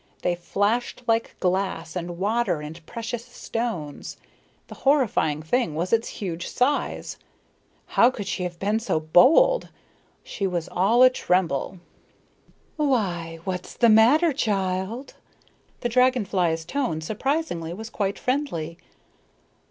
They flashed like glass and water and precious stones. The horrifying thing was its huge size. How could she have been so bold? She was all a tremble. "Why, what's the matter, child?" The dragon fly's tone, surprisingly, was quite friendly.